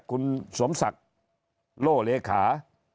คุณสมศักดิ์โล่เลขา